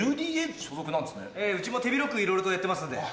ええうちも手広くいろいろとやってますんで。